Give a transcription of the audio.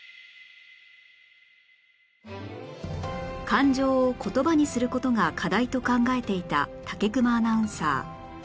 感情を言葉にする事が課題と考えていた武隈アナウンサー